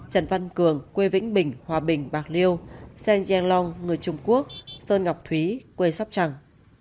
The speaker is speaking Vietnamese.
trần văn cường quê vĩnh bình hòa bình bạc liêu sơn giang long người trung quốc sơn ngọc thúy quê sóc trằng